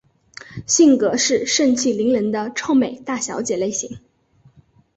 性格是盛气凌人的臭美大小姐类型。